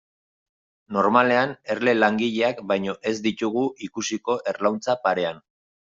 Normalean, erle langileak baino ez ditugu ikusiko erlauntza parean.